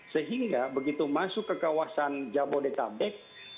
sehingga begitu masuk ke kawasan jabodetabek